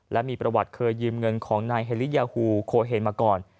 และมีประวัติเคยยืมเงินของนายเฮลียาฮูโคเฮนมาก่อน